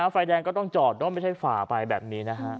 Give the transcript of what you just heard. ฝ่ายแดงก็ต้องจอดไม่ใช่ฝ่าไปแบบนี้นะฮะ